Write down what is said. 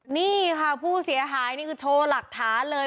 นี่ค่ะผู้เสียหายนี่คือโชว์หลักฐานเลย